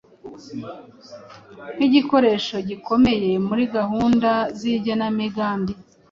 nk’igikoresho gikomeye muri gahunda z’igenamigambi